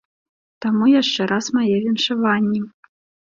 Таму яшчэ раз мае віншаванні!